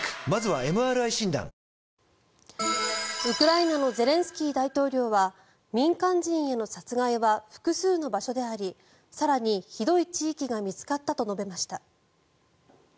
ウクライナのゼレンスキー大統領は民間人への殺害は複数の場所であり更にひどい地域が見つかったと述べました。